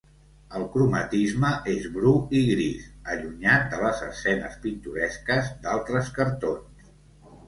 El cromatisme és bru i gris, allunyat de les escenes pintoresques d'altres cartons.